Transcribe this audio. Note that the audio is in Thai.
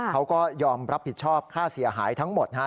เขาก็ยอมรับผิดชอบค่าเสียหายทั้งหมดนะฮะ